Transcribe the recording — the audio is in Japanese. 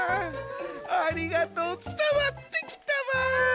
ありがとうつたわってきたわ。